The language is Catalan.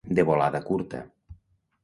De volada curta.